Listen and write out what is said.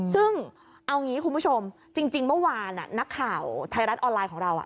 ซึ่งเอางี้คุณผู้ชมจริงเมื่อวานนักข่าวไทยรัฐออนไลน์ของเรา